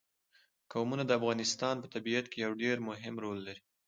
قومونه د افغانستان په طبیعت کې یو ډېر مهم رول لري.